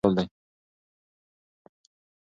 کارته پر بایسکل تلل د فزیکي فعالیت ښه مثال دی.